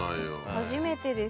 初めてです。